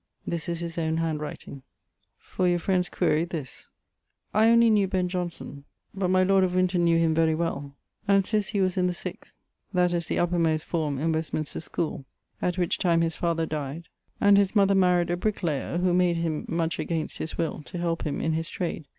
This is his owne hand writing._ Ffor yoʳ ffriend's que. this: I only knew Ben Johnson: but my lord of Winton knew him very well, and says he was in the 6º, that is the vpermost fforme in Westminster scole. At which time his father dyed, and his mother marryed a brickelayer, who made him (much against his will) to help him in his trade.